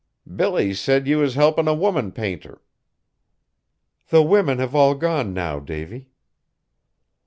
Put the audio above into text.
"Billy said ye was helpin' a woman painter." "The women have all gone now, Davy."